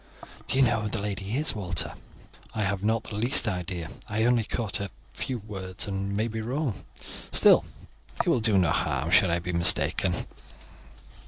"Do you know who the lady is, Walter?" "I have not the least idea. I only caught a few words, and may be wrong; still, it will do no harm should I be mistaken."